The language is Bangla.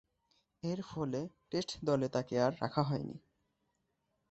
এরফলে, টেস্ট দলে আর তাকে রাখা হয়নি।